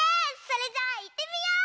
それじゃあいってみよう！